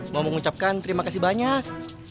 mau mengucapkan terima kasih banyak